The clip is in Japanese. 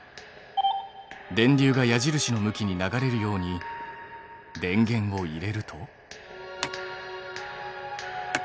電流が矢印の向きに流れるように電源を入れると。